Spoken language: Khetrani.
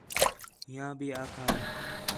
ہِیّاں بھی آکھا ہِے